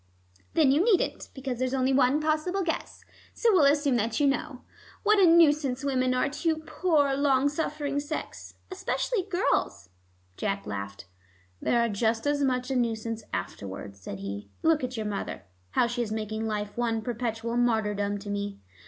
"Then you needn't, because there's only one possible guess. So we'll assume that you know. What a nuisance women are to your poor, long suffering sex. Especially girls." Jack laughed. "They are just as much a nuisance afterwards," said he. "Look at your mother, how she is making life one perpetual martyrdom to me."